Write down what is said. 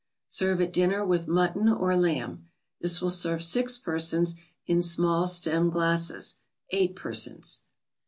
Serve at dinner with mutton or lamb. This will serve six persons; in small stem glasses, eight persons.